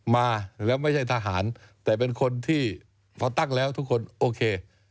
มาแล้วไม่ใช่ทหารแต่เป็นคนที่พอตั้งแล้วทุกคนโอเค